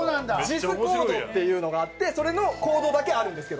ＪＩＳコードっていうのがあってそれのコードだけあるんですけど。